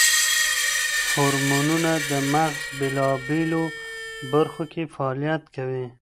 هورمونونه د مغز بېلابېلو برخو کې فعالیت کوي.